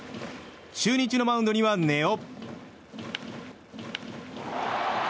中日のマウンドには根尾。